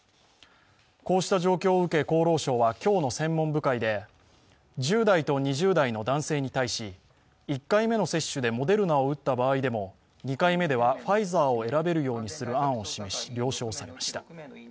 こうした状況を受け、厚労省は今日の専門部会で１０代と２０代の男性に対し１回目の接種でモデルナを打った場合でも２回目ではファイザーを選べるようにする案を示し了承されました。